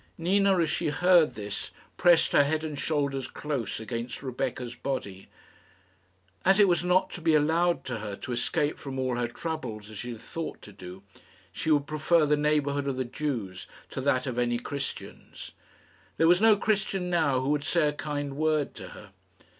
Nina, as she heard this, pressed her head and shoulders close against Rebecca's body. As it was not to be allowed to her to escape from all her troubles, as she had thought to do, she would prefer the neighbourhood of the Jews to that of any Christians. There was no Christian now who would say a kind word to her.